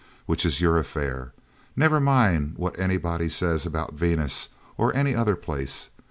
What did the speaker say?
Which is your affair... Never mind what anybody says about Venus, or any other place.